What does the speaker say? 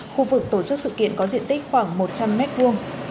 khu vực tổ chức sự kiện có diện tích khoảng một trăm linh m hai